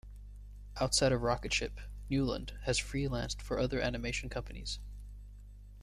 Outside of Rocketship, Newland has freelanced for other animation companies.